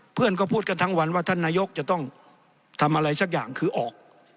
เพื่อนก็พูดกันทั้งวันว่าท่านนายกจะต้องทำอะไรสักอย่างคือออก